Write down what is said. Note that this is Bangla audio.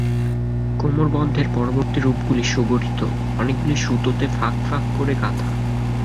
কোমরবন্ধের পরবর্তী রূপগুলি সুগঠিত, অনেকগুলি সুতোতে ফাঁক ফাঁক করে গাঁথা।